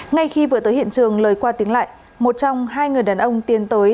ngay khi vừa tới hiện trường lời qua tiếng lại một trong hai người đàn ông tiến tới